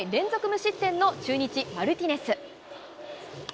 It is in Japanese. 無失点の中日、マルティネス。